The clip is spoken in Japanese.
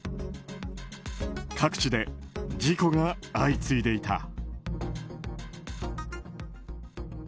各地で事故が相次いでいた。